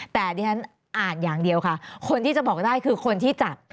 แต่ดิฉันอ่านอย่างเดียวค่ะคนที่จะบอกได้คือคนที่จับ